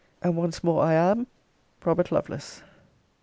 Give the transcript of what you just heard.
and once more I am ROBERT LOVELACE.